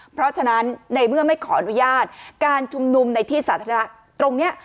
เพราะฉะนั้นในเมื่อไม่ขออนุญาตการชุมนุมในที่สาธารณะตรงนี้